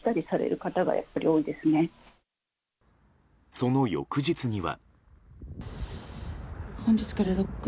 その翌日には。